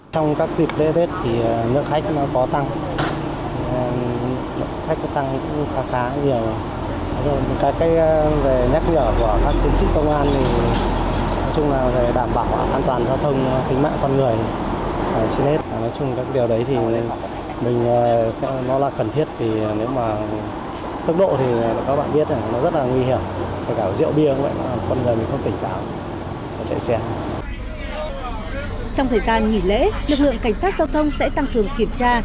trong thời gian nghỉ lễ lực lượng cảnh sát giao thông sẽ tăng cường kiểm tra